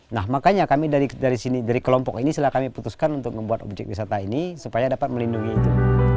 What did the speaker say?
nah makanya kami dari sini dari kelompok ini setelah kami putuskan untuk membuat objek wisata ini supaya dapat melindungi itu